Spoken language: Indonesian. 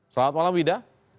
selamat malam wida